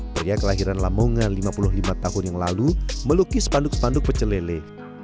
selahiran lamonga lima puluh lima tahun yang lalu melukis panduk panduk pecelele